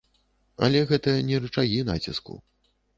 Але гэта не рычагі націску.